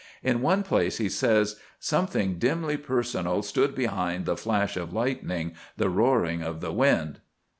In one place he says, 'Something dimly personal stood behind the flash of lightning, the roaring of the wind.